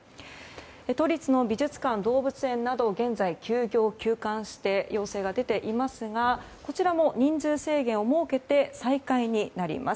都立の美術館、動物園など現在、休業・休館して要請が出ていますがこちらも人数制限を設けて再開になります。